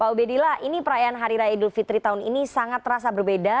pak ubedillah ini perayaan hari raya idul fitri tahun ini sangat terasa berbeda